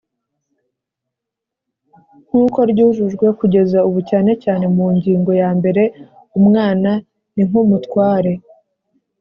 nk uko ryujujwe kugeza ubu cyane cyane mungingo yambere umwana ninkumutware